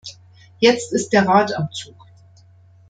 Jetzt ist der Rat am Zug.